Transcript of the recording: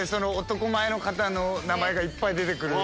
男前の方の名前がいっぱい出て来るので。